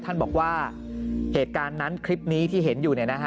ท่านบอกว่าเหตุการณ์นั้นคลิปนี้ที่เห็นอยู่